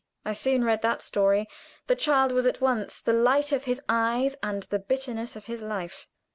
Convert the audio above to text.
I soon read that story. The child was at once the light of his eyes and the bitterness of his life.